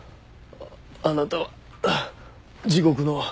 あなたは地獄の。